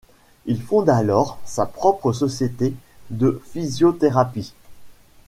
Il fonde alors sa propre société de physiothérapie.